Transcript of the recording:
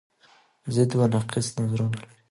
ضد و نقیص نظرونه لري